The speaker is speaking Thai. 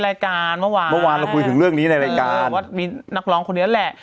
รายการเมื่อวานเมื่อวานเราคุยถึงเรื่องนี้ในรายการว่ามีนักร้องคนนี้แหละ